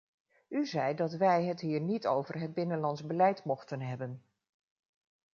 U zei dat wij het hier niet over het binnenlands beleid mochten hebben.